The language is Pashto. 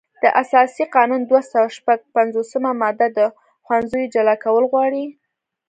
د اساسي قانون دوه سوه شپږ پنځوسمه ماده د ښوونځیو جلا کول غواړي.